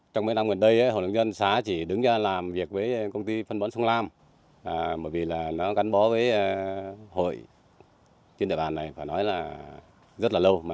trong mấy năm gần đây hội nông dân xá chỉ đứng ra làm việc với công ty phân bón sông lam bởi vì nó gắn bó với hội trên địa bàn này phải nói là rất là lâu